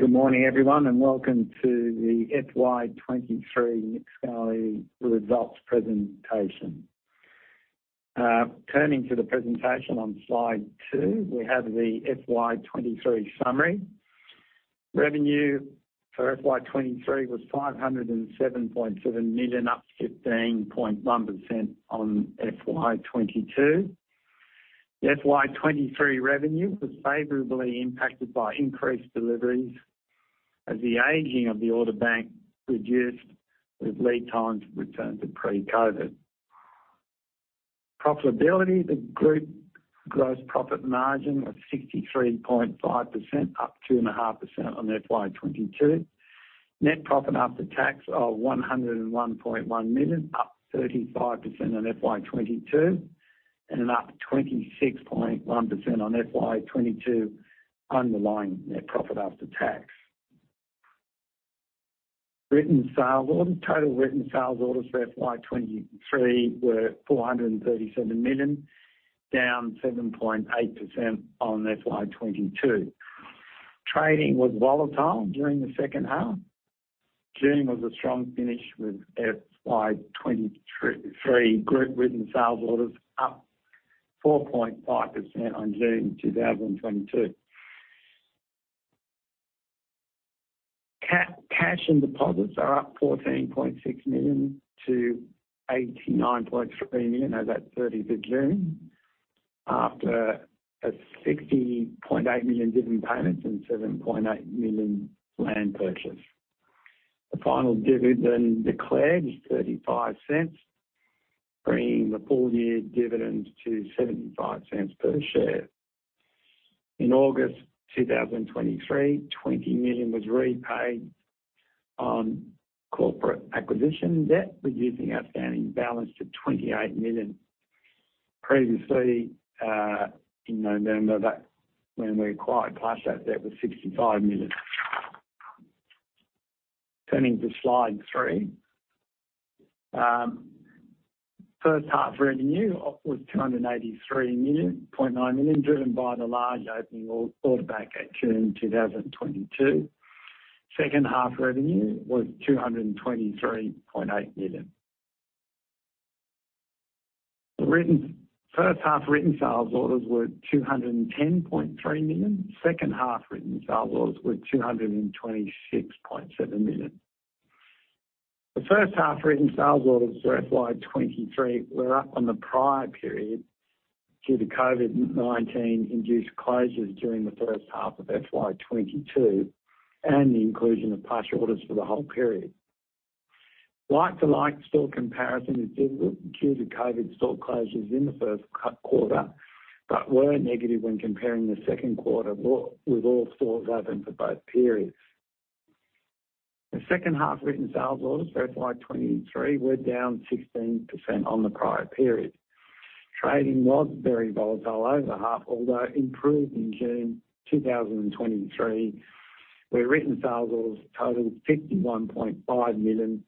Good morning, everyone, and welcome to the FY23 Nick Scali results presentation. Turning to the presentation on slide two, we have the FY23 summary. Revenue for FY23 was 507.7 million, up 15.1% on FY22. The FY23 revenue was favorably impacted by increased deliveries as the aging of the order bank reduced, with lead times returning to pre-COVID. Profitability. The group gross profit margin was 63.5%, up 2.5% on FY22. Net profit after tax of 101.1 million, up 35% on FY22, and up 26.1% on FY22 underlying net profit after tax. Written sales orders. Total written sales orders for FY23 were 437 million, down 7.8% on FY22. Trading was volatile during the second half. June was a strong finish with FY23 group written sales orders up 4.5% on June 2022. Cash and deposits are up 14.6 million to 89.3 million as at 30th of June, after a 60.8 million dividend payment and 7.8 million land purchase. The final dividend declared is 0.35, bringing the full-year dividend to 0.75 per share. In August 2023, 20 million was repaid on corporate acquisition debt, reducing outstanding balance to 28 million. Previously, in November, when we acquired Plush, that debt was 65 million. Turning to slide three. First half revenue was 283.9 million, driven by the large opening order bank at June 2022. Second half revenue was 223.8 million. First half written sales orders were 210.3 million. Second half written sales orders were 226.7 million. The first half written sales orders for FY23 were up on the prior period due to COVID-19-induced closures during the first half of FY22 and the inclusion of Plush orders for the whole period. Like-to-like store comparison is difficult due to COVID store closures in the first quarter, but were negative when comparing the second quarter with all stores open for both periods. The second half written sales orders for FY23 were down 16% on the prior period. Trading was very volatile over the half, although improved in June 2023, where written sales orders totaled 51.5 million,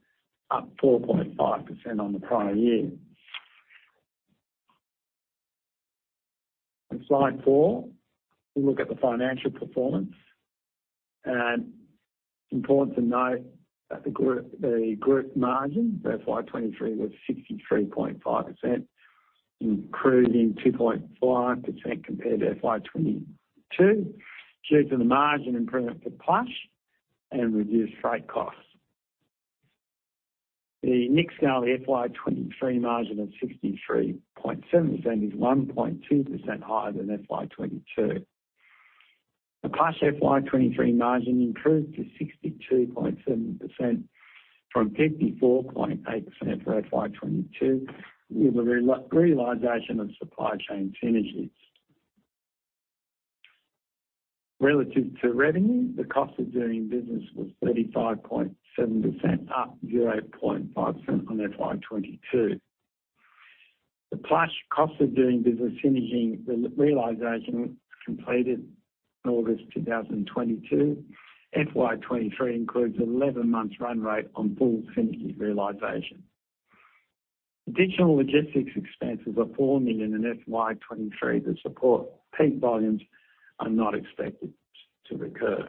up 4.5% on the prior year. On slide 4, we look at the financial performance. Important to note that the group, the group margin for FY23 was 63.5%, improving 2.5% compared to FY22, due to the margin improvement for Plush and reduced freight costs. The Nick Scali FY23 margin of 63.7% is 1.2% higher than FY22. The Plush FY23 margin improved to 62.7% from 54.8% for FY22, with the re-realization of supply chain synergies. Relative to revenue, the cost of doing business was 35.7%, up 0.5% on FY22. The Plush cost of doing business synergy realization was completed in August 2022. FY23 includes 11 months run rate on full synergy realization. Additional logistics expenses are 4 million in FY23 that support peak volumes are not expected to recur.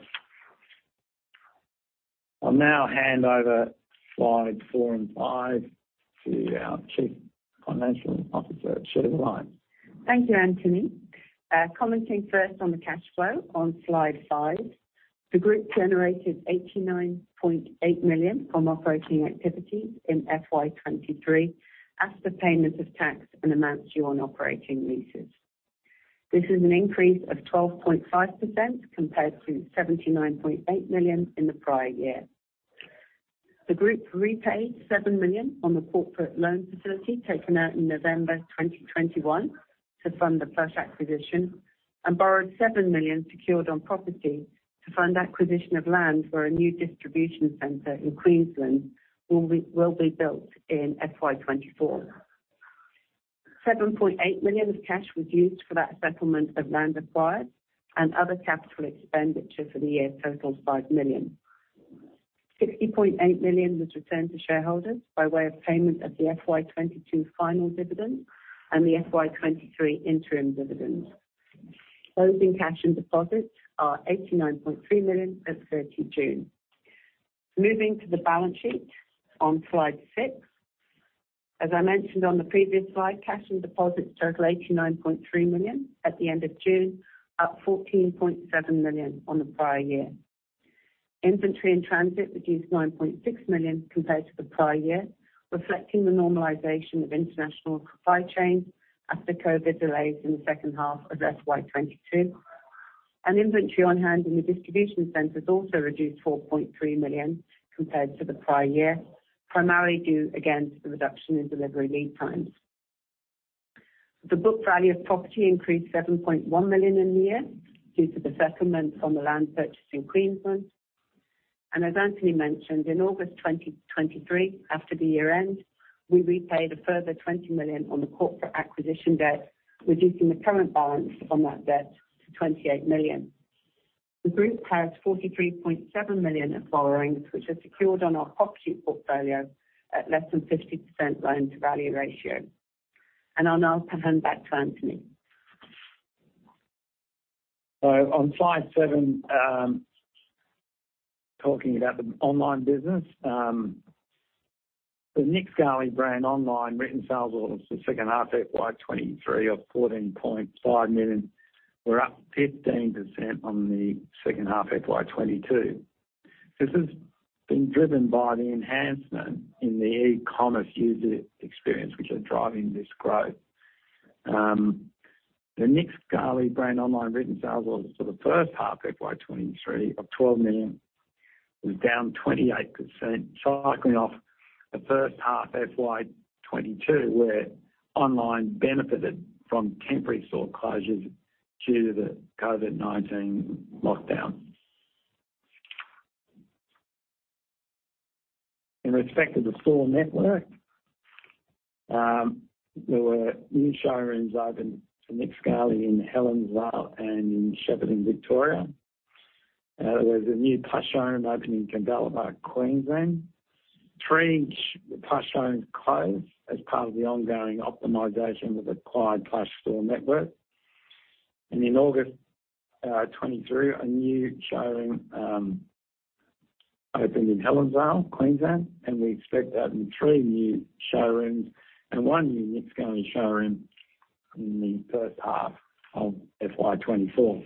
I'll now hand over slide four and five to our Chief Financial and Officer, Sheila Lines. Thank you, Anthony. Commenting first on the cash flow on slide five. The group generated 89.8 million from operating activities in FY23, after payment of tax and amounts due on operating leases. This is an increase of 12.5% compared to 79.8 million in the prior year. The group repaid 7 million on the corporate loan facility taken out in November 2021 to fund the Plush acquisition and borrowed 7 million secured on property to fund acquisition of land for a new distribution center in Queensland, will be built in FY24. 7.8 million of cash was used for that settlement of land acquired and other capital expenditure for the year totals 5 million. 60.8 million was returned to shareholders by way of payment of the FY22 final dividend and the FY23 interim dividend. Closing cash and deposits are 89.3 million at 30 June. Moving to the balance sheet on slide 6. As I mentioned on the previous slide, cash and deposits totaled 89.3 million at the end of June, up 14.7 million on the prior year. Inventory in transit reduced 9.6 million compared to the prior year, reflecting the normalization of international supply chain after COVID delays in the second half of FY22, and inventory on hand in the distribution centers also reduced 4.3 million compared to the prior year, primarily due again to the reduction in delivery lead times. The book value of property increased 7.1 million in the year due to the settlements on the land purchase in Queensland. As Anthony mentioned, in August 2023, after the year-end, we repaid a further 20 million on the corporate acquisition debt, reducing the current balance on that debt to 28 million. The group has 43.7 million of borrowings, which are secured on our property portfolio at less than 50% loan-to-value ratio. I'll now hand back to Anthony. On slide 7, talking about the online business. The Nick Scali brand online written sales orders for the second half FY23 of 14.5 million were up 15% on the second half of FY22. This has been driven by the enhancement in the e-commerce user experience, which are driving this growth. The Nick Scali brand online written sales orders for the first half FY23 of 12 million was down 28%, cycling off the first half FY22, where online benefited from temporary store closures due to the COVID-19 lockdown. In respect of the store network, there were new showrooms opened for Nick Scali in Helensvale and in Shepparton, Victoria. There was a new Plush home opened in Caboolture, Queensland. Three Plush homes closed as part of the ongoing optimization of the acquired Plush store network. In August 2023, a new showroom opened in Helensvale, Queensland, and we expect to open 3 new showrooms and 1 new Nick Scali showroom in the first half of FY24.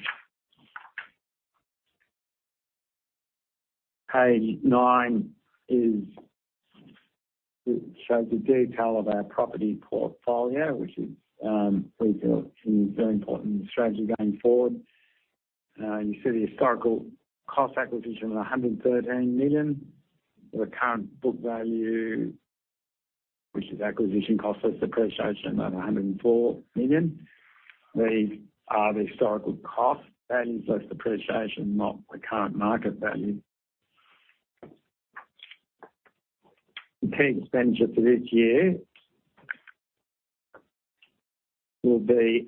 Page 9 shows the detail of our property portfolio, which we feel is a very important strategy going forward. You see the historical cost acquisition of 113 million. The current book value, which is acquisition cost, less depreciation of 104 million. These are the historical cost values, less depreciation, not the current market value. Key expenditure for this year will be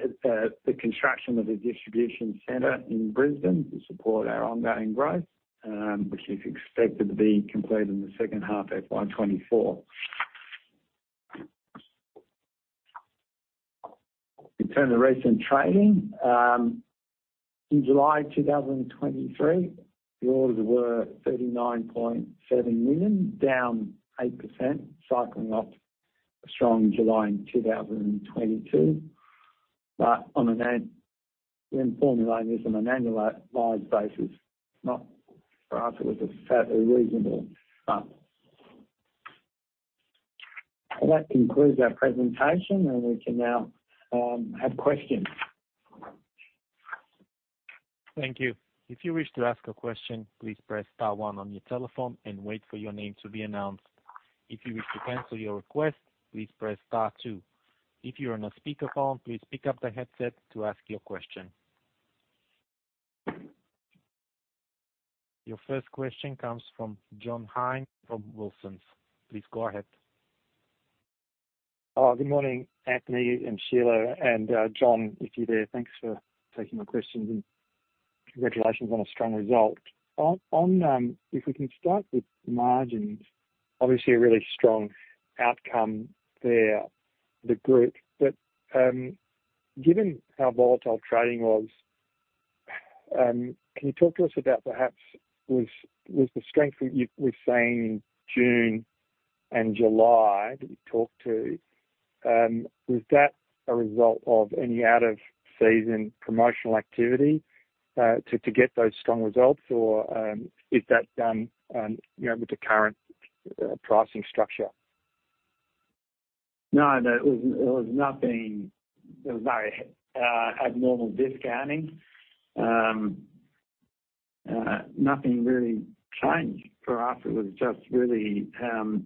the construction of a distribution center in Brisbane to support our ongoing growth, which is expected to be completed in the second half of FY24. In terms of recent trading, in July 2023, the orders were 39.7 million, down 8%, cycling off a strong July in 2022. On an annualized basis, not for us, it was a fairly reasonable start. That concludes our presentation, and we can now have questions. Thank you. If you wish to ask a question, please press star one on your telephone and wait for your name to be announced. If you wish to cancel your request, please press star two. If you are on a speakerphone, please pick up the headset to ask your question. Your first question comes from John Hynd from Wilsons. Please go ahead. Good morning, Anthony and Sheila, and John, if you're there, thanks for taking my questions and congratulations on a strong result. If we can start with margins, obviously a really strong outcome there, the group. Given how volatile trading was, can you talk to us about perhaps was, was the strength that we're seeing in June and July, that you talked to, was that a result of any out-of-season promotional activity to get those strong results or, is that, you know, with the current pricing structure? No, no, it was, it was nothing. It was very abnormal discounting. Nothing really changed. For us, it was just really a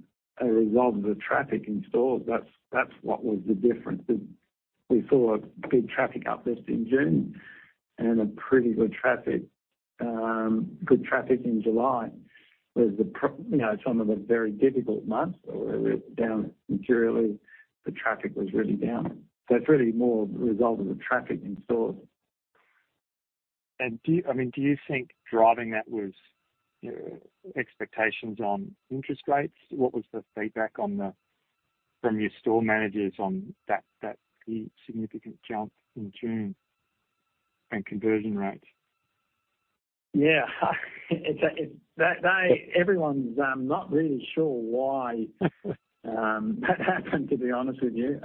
result of the traffic in stores. That's, that's what was the difference. We saw a big traffic uplift in June and a pretty good traffic, good traffic in July. You know, some of the very difficult months where we're down materially, the traffic was really down. It's really more a result of the traffic in stores.... Do you, I mean, do you think driving that was expectations on interest rates? What was the feedback on the, from your store managers on that, that key significant jump in June and conversion rates? Yeah, it's a, it-- they, they, everyone's not really sure why that happened, to be honest with you.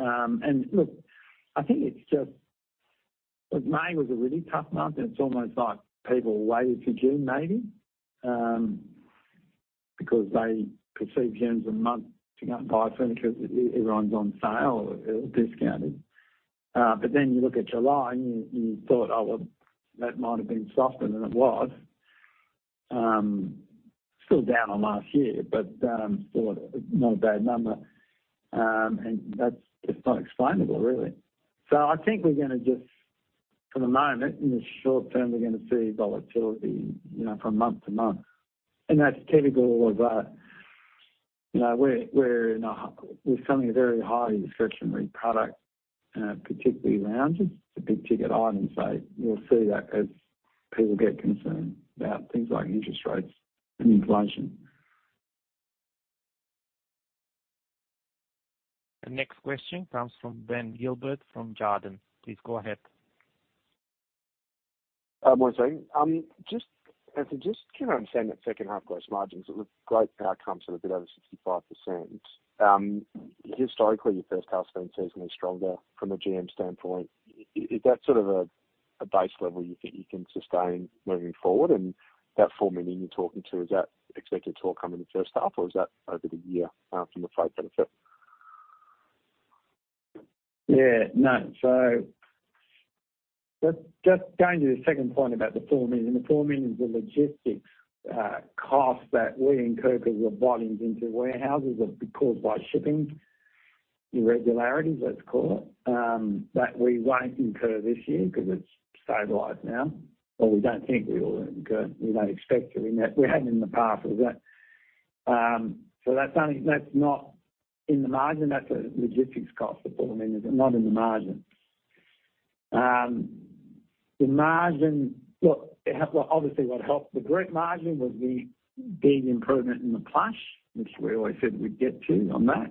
Look, I think it's just because May was a really tough month, and it's almost like people waited till June, maybe, because they perceive June as a month to go and buy furniture because e-everyone's on sale or discounted. Then you look at July, and you, you thought, "Oh, well, that might have been softer than it was." Still down on last year, but still not a bad number. That's just not explainable, really. I think we're gonna just for the moment, in the short term, we're gonna see volatility, you know, from month to month. That's typical of, you know, we're selling a very highly discretionary product, particularly lounges, the big ticket items. We'll see that as people get concerned about things like interest rates and inflation. The next question comes from Ben Gilbert, from Jarden. Please go ahead. Morning. So just can I understand that second half gross margins with great outcomes, at a bit over 65%? Historically, your first half season is stronger from a GM standpoint. Is that sort of a base level you think you can sustain moving forward? That 4 million you're talking to, is that expected to all come in the first half, or is that over the year after the freight benefit? Yeah, no. Just, just going to the second point about the 4 million. The 4 million is the logistics cost that we incurred because of volumes into warehouses, have been caused by shipping irregularities, let's call it, that we won't incur this year because it's stabilized now, or we don't think we will incur. We don't expect to in that. We have in the past with that. That's only, that's not in the margin, that's a logistics cost of 4 million, not in the margin. The margin, look, obviously, what helped the group margin was the big improvement in the Plush, which we always said we'd get to on that.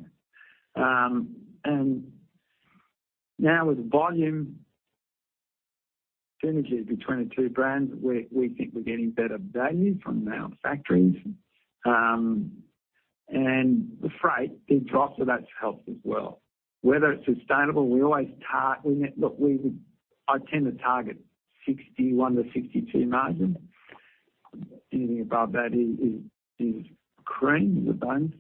Now with the volume synergies between the two brands, we, we think we're getting better value from our factories. The freight did drop, so that's helped as well. Whether it's sustainable, we always look, I tend to target 61% to 62% margin. Anything above that is, is, is cream, is a bonus.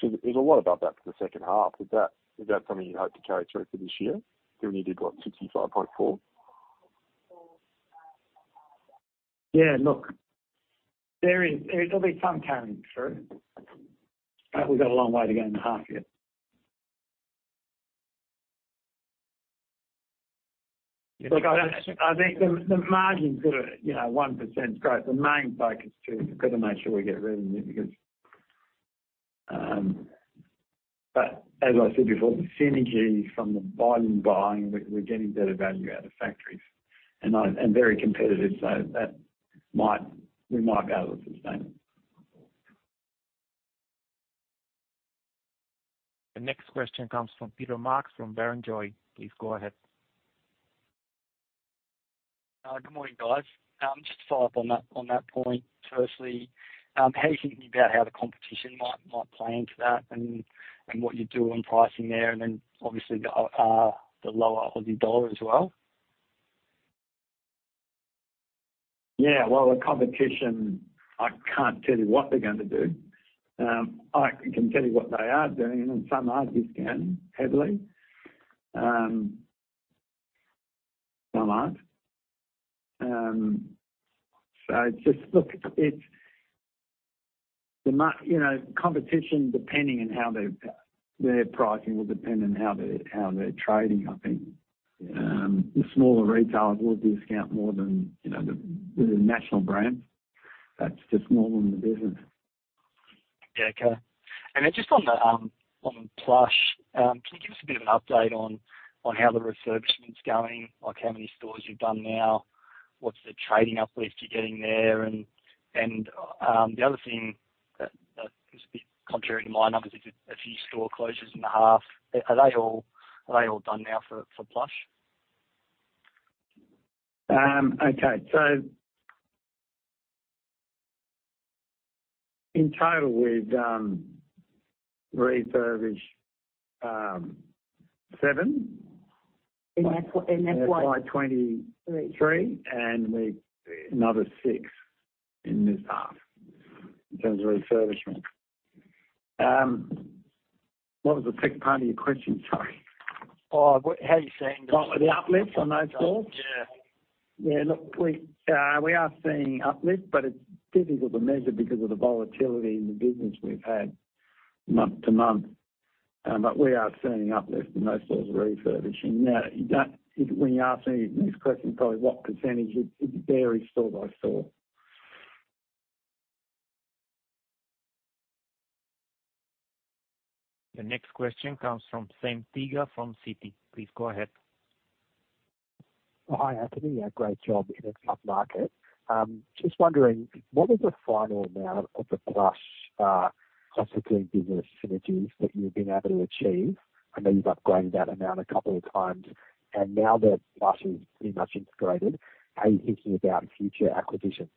There's a lot above that for the second half. Is that, is that something you'd hope to carry through for this year, given you did, what, 65.4? Yeah, look, there is, there'll be some carrying through, but we've got a long way to go in the half year. Look, I, I think the, the margin's good, you know, 1% growth. The main focus, too, we've got to make sure we get revenue, because, but as I said before, the synergies from the volume buying, we're, we're getting better value out of factories, and And very competitive, so that might, we might be able to sustain it. The next question comes from Peter Marks, from Barrenjoey. Please go ahead. Good morning, guys. Just to follow up on that, on that point, firstly, how are you thinking about how the competition might, might play into that and, and what you do on pricing there, and then obviously, the lower Aussie dollar as well? Yeah, well, the competition, I can't tell you what they're going to do. I can tell you what they are doing, and some are discounting heavily, some aren't. Just look, it's the you know, competition, depending on how their, their pricing, will depend on how they're, how they're trading, I think. The smaller retailers will discount more than, you know, the, the national brands. That's just normal in the business. Yeah, okay. Just on the, on Plush, can you give us a bit of an update on how the refurbishment is going? Like, how many stores you've done now, what's the trading uplift you're getting there? The other thing that is a bit contrary to my numbers, is it a few store closures in the half. Are they all done now for Plush? Okay, in total, we've refurbished 7. In FY23, we've another 6 in this half, in terms of refurbishment. What was the second part of your question? What, how are you seeing. The uplift on those stores? Yeah. Yeah, look, we, we are seeing uplift, but it's difficult to measure because of the volatility in the business we've had month-to-month. We are seeing uplift in those stores refurbishing. Now, when you're asking these questions, probably what percentage? It, it varies store by store. The next question comes from Sam Teeger from Citi. Please go ahead. Hi, Anthony. Yeah, great job in a tough market. Just wondering, what was the final amount of the Plush cost of doing business synergies that you've been able to achieve? I know you've upgraded that amount a couple of times, and now that Plush is pretty much integrated, how are you thinking about future acquisitions?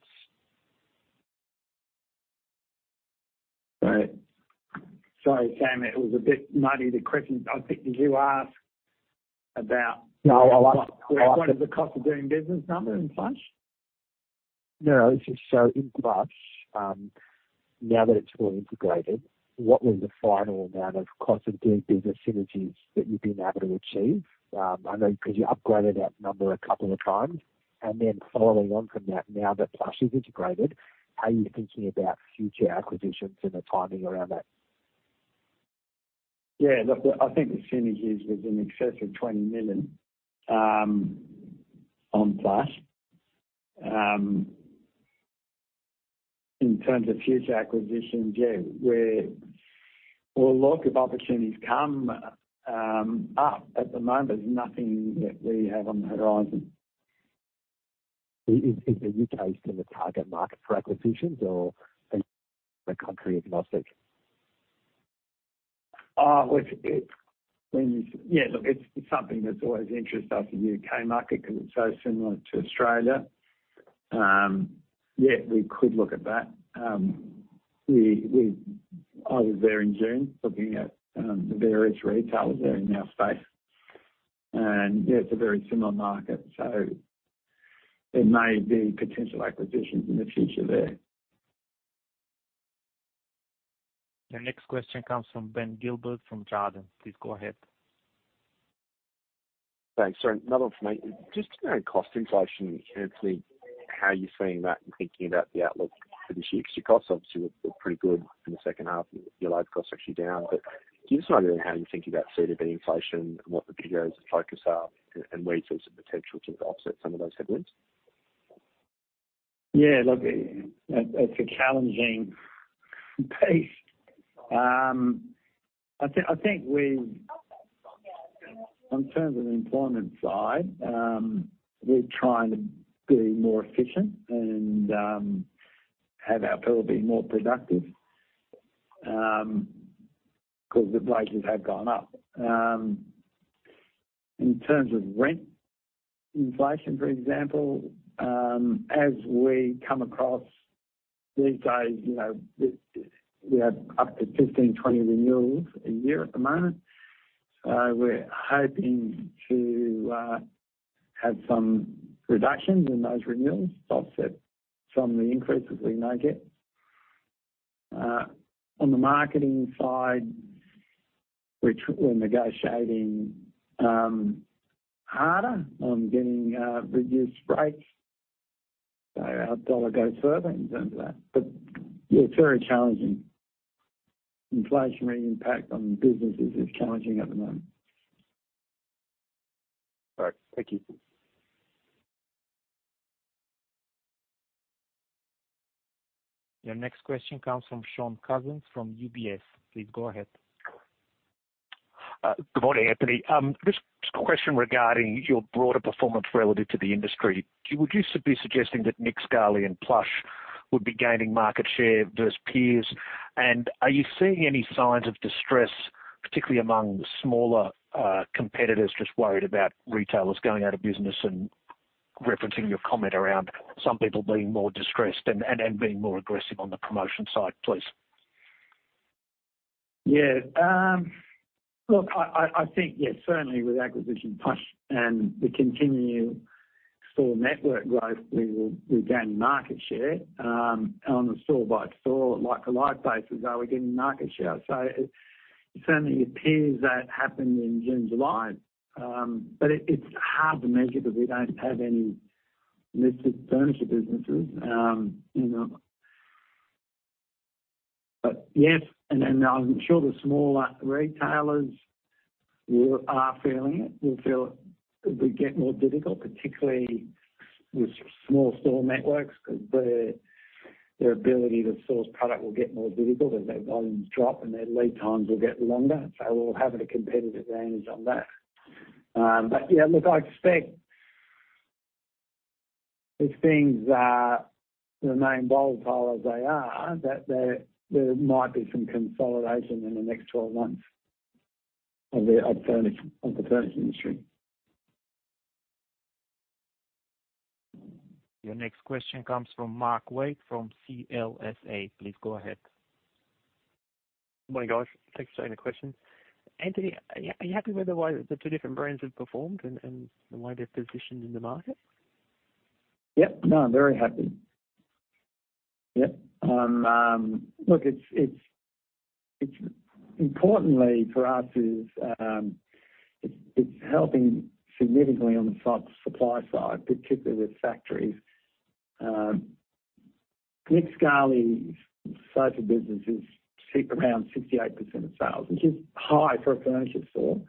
Right. Sorry, Sam, it was a bit muddy, the question. I think did you ask about- No, I. What was the cost of doing business number in Plush? Just so in Plush, now that it's well integrated, what was the final amount of cost of doing business synergies that you've been able to achieve? I know because you upgraded that number a couple of times, following on from that, now that Plush is integrated, how are you thinking about future acquisitions and the timing around that? Yeah, look, I think the synergies was in excess of AUD 20 million on Plush. In terms of future acquisitions, yeah, where a lot of opportunities come up at the moment, there's nothing that we have on the horizon. Is the U.K. still a target market for acquisitions or the country is lost it? Yeah, look, it's something that's always interested us, the U.K. market, because it's so similar to Australia. Yeah, we could look at that. I was there in June, looking at the various retailers there in our space. Yeah, it's a very similar market, so there may be potential acquisitions in the future there. The next question comes from Ben Gilbert, from Jarden. Please go ahead. Thanks. Another one for me. Just around cost inflation and how you're seeing that and thinking about the outlook for this year. Because your costs obviously were, were pretty good in the second half, your life costs actually down. Give us an idea of how you're thinking about COGS inflation and what the bigger areas of focus are, and where you see some potential to offset some of those headwinds. Yeah, look, it, it's a challenging piece. I think, I think we on terms of the employment side, we're trying to be more efficient and have our people be more productive, because the wages have gone up. In terms of rent inflation, for example, as we come across these days, you know, we, we have up to 15-20 renewals a year at the moment, so we're hoping to have some reductions in those renewals to offset some of the increases we may get. On the marketing side, which we're negotiating harder on getting reduced rates. Our dollar goes further in terms of that, but yeah, it's very challenging. Inflationary impact on businesses is challenging at the moment. All right, thank you. Your next question comes from Shaun Cousins from UBS. Please go ahead. Good morning, Anthony. Just a question regarding your broader performance relative to the industry. Would you be suggesting that Nick Scali and Plush would be gaining market share versus peers? Are you seeing any signs of distress, particularly among smaller competitors, just worried about retailers going out of business and referencing your comment around some people being more distressed and being more aggressive on the promotion side, please? Yeah. Look, I, I, I think, yes, certainly with acquisition Plush and the continued store network growth, we will, we gain market share, on a store by store, like a like basis, are we gaining market share? It certainly appears that happened in June, July, but it's hard to measure because we don't have any listed furniture businesses, you know. Yes, I'm sure the smaller retailers will, are feeling it, will feel it, will get more difficult, particularly with small store networks, because their, their ability to source product will get more difficult as their volumes drop and their lead times will get longer. We'll have a competitive advantage on that. yeah, look, I expect if things are, remain volatile as they are, that there, there might be some consolidation in the next 12 months of the, of furniture, of the furniture industry. Your next question comes from Mark Waite, from CLSA. Please go ahead. Good morning, guys. Thanks for taking the question. Anthony, are you, are you happy with the way the two different brands have performed and, and the way they're positioned in the market? Yep, no, I'm very happy. Yep. Look, it's, it's, it's importantly for us is, it's, it's helping significantly on the sup-supply side, particularly with factories. Nick Scali's social business is around 68% of sales, which is high for a furniture store.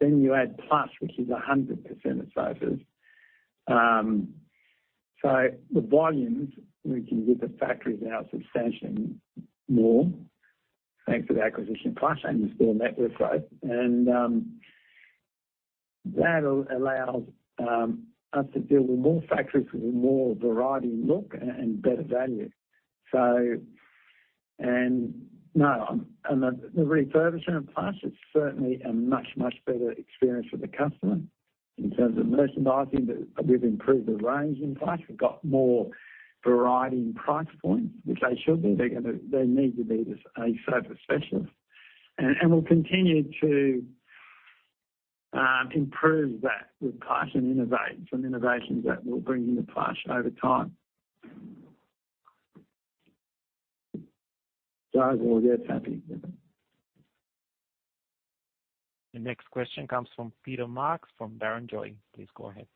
You add Plush, which is 100% of sofas. The volumes, we can get the factories out substantially more, thanks to the acquisition of Plush and the store network, right? That'll allows us to build more factories with a more variety look and, and better value. No, and the, the refurbishing of Plush, it's certainly a much, much better experience for the customer in terms of merchandising, but we've improved the range in Plush. We've got more variety and price points, which they should be. They need to be this a sofa specialist. We'll continue to improve that with Plush and innovate some innovations that we'll bring into Plush over time. I think we're happy with it. The next question comes from Peter Marks from Barrenjoey. Please go ahead.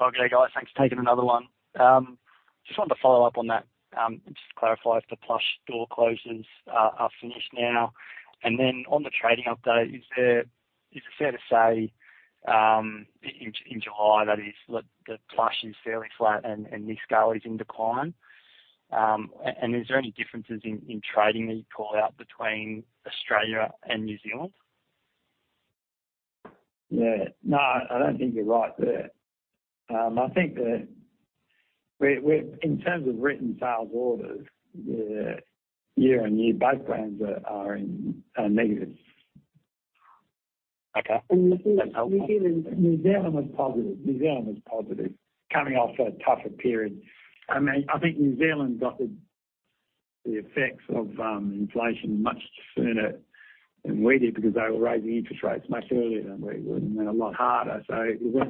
Okay, guys, thanks for taking another one. Just wanted to follow up on that, and just to clarify, if the Plush store closures are, are finished now, and then on the trading update, is it fair to say, in, in July, that is, that Plush is fairly flat and, and Nick Scali is in decline? And is there any differences in, in trading that you call out between Australia and New Zealand? Yeah. No, I don't think you're right there. I think that we we in terms of written sales orders, the year-on-year both brands are, are in, are negative. Okay. New Zealand, New Zealand was positive. New Zealand was positive, coming off a tougher period. I mean, I think New Zealand got the, the effects of inflation much sooner than we did because they were raising interest rates much earlier than we were, and then a lot harder. It was,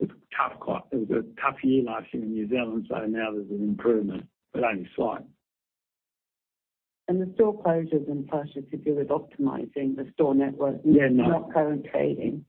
it was a tough year last year in New Zealand, so now there's an improvement, but only slight. The store closures in Plush is to do with optimizing the store network. Yeah, no. Not current trading.